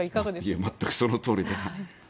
全くそのとおりだと。